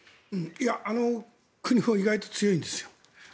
あの国は意外と強いんですよ。